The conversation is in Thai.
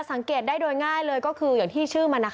สังเกตได้โดยง่ายเลยก็คือ